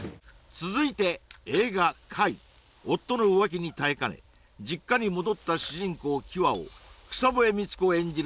続いて映画「櫂」夫の浮気に耐えかね実家に戻った主人公喜和を草笛光子演じる